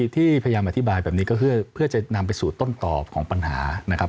ที่พยายามอธิบายแบบนี้ก็เพื่อจะนำไปสู่ต้นตอบของปัญหานะครับ